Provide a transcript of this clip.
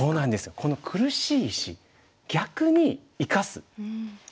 この苦しい石逆に生かす。